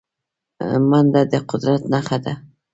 منډه د قدرت نښه ده